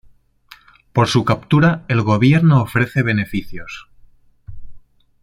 Por su captura el gobierno ofrece Bs.